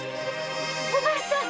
お前さん！